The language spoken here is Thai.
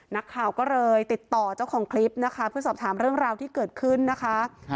นักข่าวก็เลยติดต่อเจ้าของคลิปนะคะเพื่อสอบถามเรื่องราวที่เกิดขึ้นนะคะ